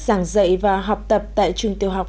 giảng dạy và học tập tại trường tiêu học